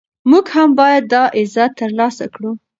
موږ هم باید دا عزت ترلاسه کړو.